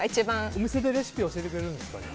お店でレシピを教えてくれるんですね。